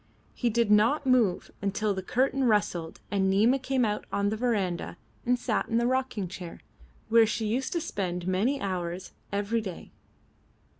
He did not move till the curtain rustled and Nina came out on the verandah and sat in the rocking chair, where she used to spend many hours every day.